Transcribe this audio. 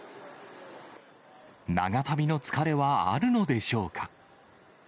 長旅の疲れはあるのでしょうか。